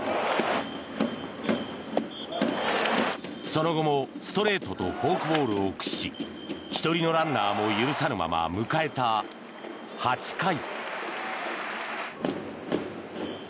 その後もストレートとフォークボールを駆使し１人のランナーも許さぬまま迎えた８回。